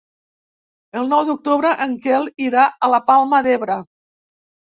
El nou d'octubre en Quel irà a la Palma d'Ebre.